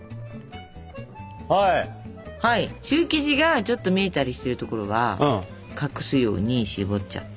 シュー生地がちょっと見えたりしてるところは隠すようにしぼっちゃって。